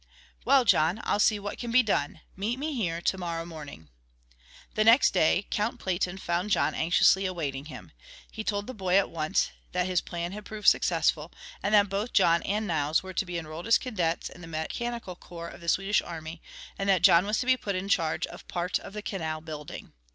Well, John, I'll see what can be done. Meet me here to morrow morning." The next day Count Platen found John anxiously awaiting him. He told the boy at once that his plan had proved successful, and that both John and Nils were to be enrolled as cadets in the mechanical corps of the Swedish navy, and that John was to be put in charge of part of the canal building.